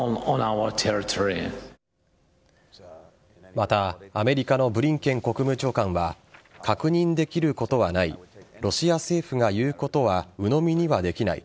また、アメリカのブリンケン国務長官は確認できることはないロシア政府が言うことはうのみにはできない。